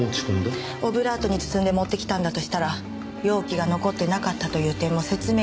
オブラートに包んで持ってきたんだとしたら容器が残ってなかったという点も説明がつくと。